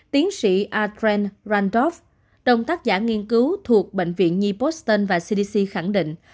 tiến sĩ adrian randolph đồng tác giả nghiên cứu thuộc bệnh viện new boston và cdc khẳng định